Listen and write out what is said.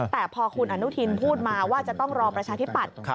แต่พอคุณอนุทินพูดมาว่าจะต้องรอประชาธิปัตย์